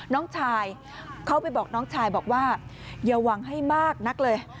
น้องชายเขาไปบอกน้องชายบอกว่าอย่าหวังให้มากนักเลย